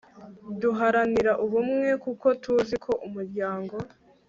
duharanira ubumwe kuko tuzi ko umuryango